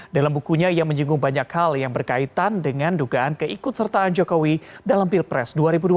dalam bukunya ia menyinggung banyak hal yang berkaitan dengan dugaan keikut sertaan jokowi dalam pilpres dua ribu dua puluh